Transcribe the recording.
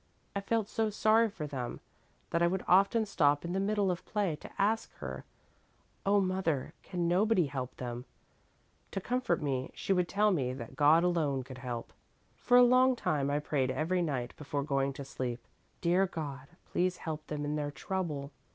I felt so sorry for them that I would often stop in the middle of play to ask her, 'Oh, mother, can nobody help them?' To comfort me she would tell me that God alone could help. For a long time I prayed every night before going to sleep: 'Dear God, please help them in their trouble!'